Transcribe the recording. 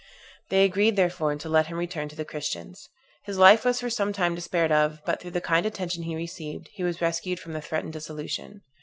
They agreed, therefore, to let him return to the Christians. His life was for some time despaired of; but through the kind attention he received, he was rescued from the threatened dissolution.